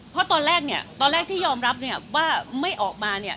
เพราะตอนแรกเนี่ยตอนแรกที่ยอมรับว่าไม่ออกมาเนี่ย